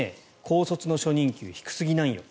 高卒の初任給低すぎなんよ。